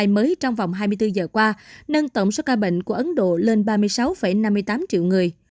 mới trong vòng hai mươi bốn giờ qua nâng tổng số ca bệnh của ấn độ lên ba mươi sáu năm mươi tám triệu người